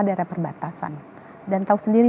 daerah perbatasan dan tahu sendiri